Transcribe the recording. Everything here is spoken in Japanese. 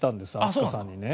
飛鳥さんにね。